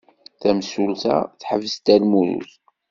Tamsulta teḥbes Dda Lmulud.